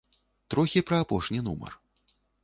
Трохі пра апошні нумар.